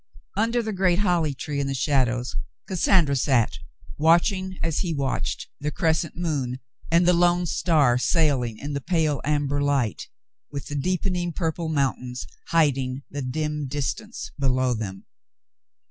Under the great holly tree in the shadows Cassandra sat, watching, as he watched, the crescent moon and the lone star sailing in the pale amber light, with the deepen ing purple mountain hiding the dim distance below them.